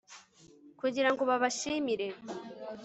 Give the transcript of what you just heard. kugira ngo babashimire